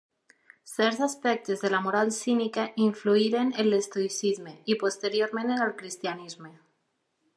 Certs aspectes de la moral cínica influïren en l'estoïcisme, i posteriorment en el cristianisme.